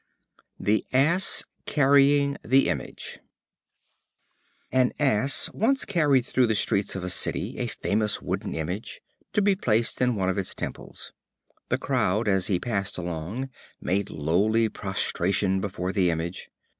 The Ass carrying the Image. An Ass once carried through the streets of the city a famous wooden Image, to be placed in one of its temples. The crowd as he passed along made lowly prostration before the Image.